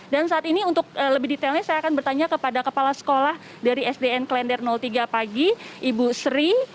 dan saat ini untuk lebih detailnya saya akan bertanya kepada kepala sekolah dari sdn klender tiga pagi ibu sri